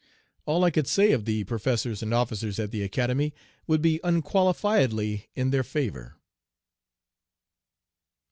All I could say of the professors and officers at the Academy would be unqualifiedly in their favor.